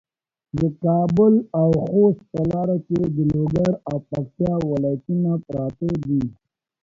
د کابل او خوست په لاره کې د لوګر او پکتیا ولایتونه پراته دي.